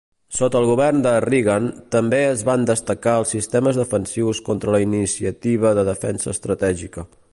Sota el govern de Reagan, també es van destacar els sistemes defensius com la Iniciativa de Defensa Estratègica.